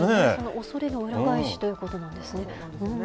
おそれの裏返しということなんですね。